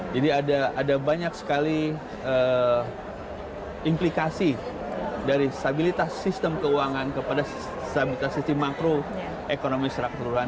jadi ada banyak sekali implikasi dari stabilitas sistem keuangan kepada stabilitas sistem makro ekonomi segera keperluan